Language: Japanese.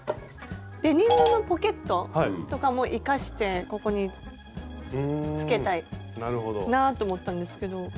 デニムのポケットとかも生かしてここにつけたいなと思ったんですけど。